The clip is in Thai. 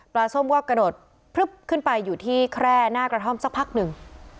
ส้มก็กระโดดพลึบขึ้นไปอยู่ที่แคร่หน้ากระท่อมสักพักหนึ่ง